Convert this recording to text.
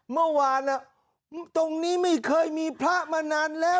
เมื่อวานตรงนี้ไม่เคยมีพระมานานแล้ว